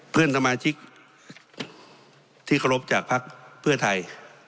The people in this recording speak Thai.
เพื่อนสมาชิกที่เคารพจากภักดิ์เพื่อไทย